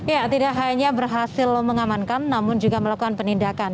ya tidak hanya berhasil mengamankan namun juga melakukan penindakan